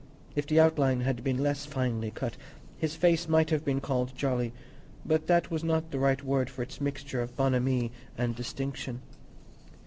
If the outline had been less finely cut, his face might have been called jolly; but that was not the right word for its mixture of bonhomie and distinction.